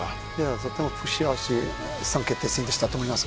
とてもいい３位決定戦だったと思います。